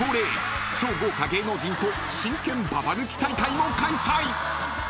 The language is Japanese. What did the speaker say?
超豪華芸能人と真剣ババ抜き大会も開催］